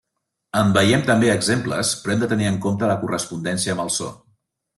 En veiem també exemples, però hem de tenir en compte la correspondència amb el so.